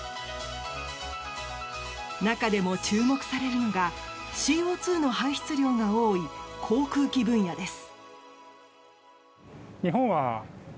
中でも、注目されるのがＣＯ２の排出量が多い航空機分野です。